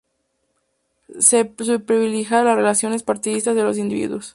Se privilegiaba la racionalidad partidista de los individuos.